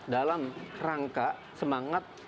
dalam rangka semangat